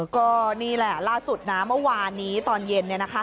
ก็นี่แหละล่าสุดนะเมื่อวานนี้ตอนเย็น